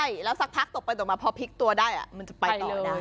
ใช่แล้วสักพักตกไปตกมาพอพลิกตัวได้มันจะไปต่อไม่ได้